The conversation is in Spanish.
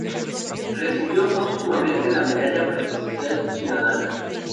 Recibió póstumamente la Medalla Presidencial Ciudadana.